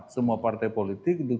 semua partai politik untuk